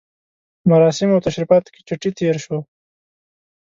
مراسمو او تشریفاتو کې چټي تېر شو.